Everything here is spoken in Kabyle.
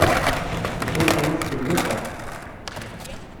Nettwaxellaṣ s lyaṭac.